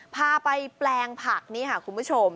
พาไปแปลงผักนี่ค่ะคุณผู้ชม